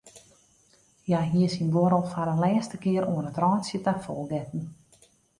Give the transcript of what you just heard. Hja hie syn buorrel foar in lêste kear oan it rântsje ta fol getten.